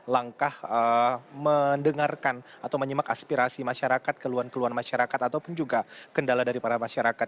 langkah mendengarkan atau menyimak aspirasi masyarakat keluhan keluhan masyarakat ataupun juga kendala dari para masyarakat